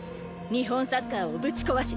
日本サッカーをぶち壊し